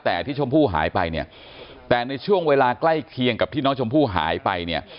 แต่ที่ชมพู่หายไปเนี่ยแต่ในช่วงเวลาใกล้เคียงกับที่น้องชมพู่หายไปเนี่ย